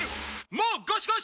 もうゴシゴシ！